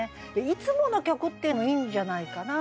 「いつもの曲」っていうのもいいんじゃないかな。